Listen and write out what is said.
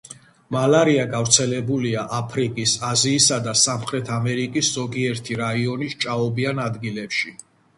მალარია გავრცელებულია აფრიკის, აზიისა და სამხრეთ ამერიკის ზოგიერთი რაიონის ჭაობიან ადგილებში.